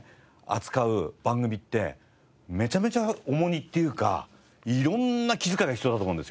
扱う番組ってめちゃめちゃ重荷っていうかいろんな気遣いが必要だと思うんですよ。